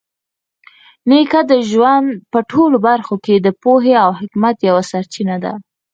نیکه د ژوند په ټولو برخو کې د پوهې او حکمت یوه سرچینه ده.